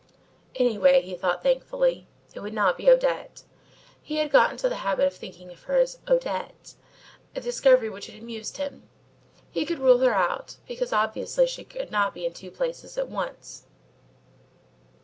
Anyway, he thought thankfully, it would not be Odette. He had got into the habit of thinking of her as "Odette," a discovery which had amused him. He could rule her out, because obviously she could not be in two places at once.